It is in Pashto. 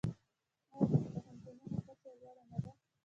آیا د پوهنتونونو کچه یې لوړه نه ده؟